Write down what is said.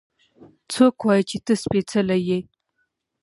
څوک وايي چې ته سپېڅلې يې؟